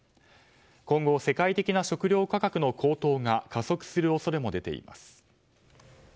今後、世界的な食糧価格の高騰が加速する恐れも出ています。